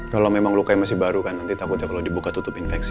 kalau memang luka yang masih baru kan nanti takut ya kalau dibuka tutup infeksi